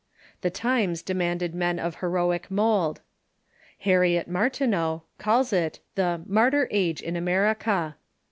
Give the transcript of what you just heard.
The times demanded men of he roic mould. Harriet Martineau calls it the "Martyr age in America."